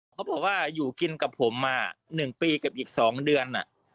เขาบอกว่าอยู่กินกับผมมา๑ปีกับอีก๒เดือน